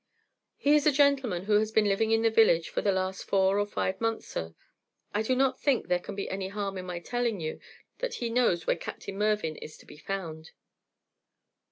"He is a gentleman who has been living in the village for the last four or five months, sir. I do not think there can be any harm in my telling you that he knows where Captain Mervyn is to be found."